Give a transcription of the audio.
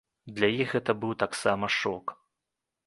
Для іх гэта быў таксама шок.